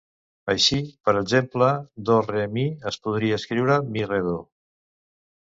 Així, per exemple, "do-re-mi" es podria escriure "mi-re-do".